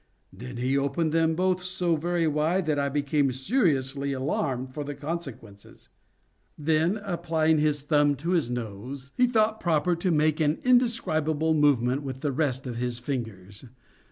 Then he opened them both so very wide that I became seriously alarmed for the consequences. Then, applying his thumb to his nose, he thought proper to make an indescribable movement with the rest of his fingers.